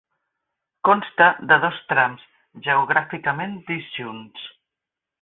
Consta de dos trams geogràficament disjunts.